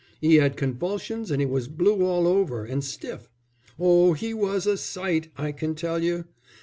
He 'ad convulsions and he was blue all over, and stiff. Oh, he was a sight, I can tell you.